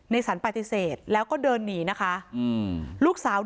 สันปฏิเสธแล้วก็เดินหนีนะคะลูกสาว